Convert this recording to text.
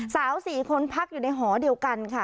สาว๔คนพักอยู่ในหอเดียวกันค่ะ